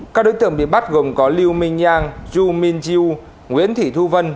các đối tượng bị bắt gồm có liu mingyang yu mingyu nguyễn thị thu vân